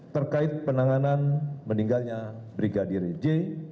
terkait penanganan meninggalnya brigadir j